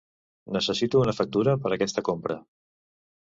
Necessito una factura per aquesta compra.